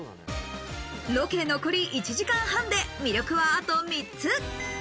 ロケ残り１時間半で魅力はあと３つ。